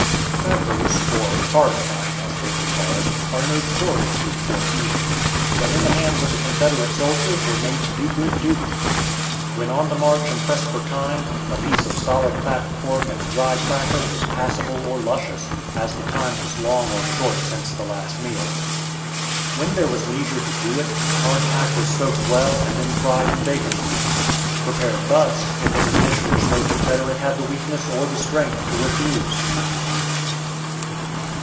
Crackers, or "hard tack" as they were called, are notoriously poor eating, but in the hands of the Confederate soldier were made to do good duty. When on the march and pressed for time, a piece of solid fat pork and a dry cracker was passable or luscious, as the time was long or short since the last meal. When there was leisure to do it, hardtack was soaked well and then fried in bacon grease. Prepared thus, it was a dish which no Confederate had the weakness or the strength to refuse.